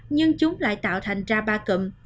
nhưng chúng lại tạo thành ra ba cụm